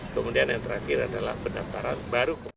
kemudian yang terakhir adalah pendaftaran baru